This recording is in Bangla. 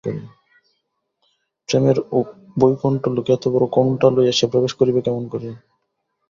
প্রেমের বৈকুণ্ঠলোকে এতবড়ো কুণ্ঠা লইয়া সে প্রবেশ করিবে কেমন করিয়া।